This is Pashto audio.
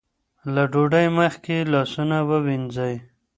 له ډوډۍ مخکې لاسونه ووینځئ.